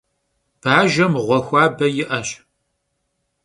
Bajjem ğue xuabe yi'eş.